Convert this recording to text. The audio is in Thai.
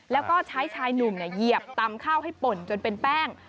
แล้วก็ใช้ชายหนุ่มเหยียบตำข้าวให้ป่นจนเป็นแป้ง